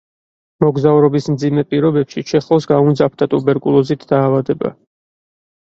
მოგზაურობის მძიმე პირობებში ჩეხოვს გაუმძაფრდა ტუბერკულოზით დაავადება.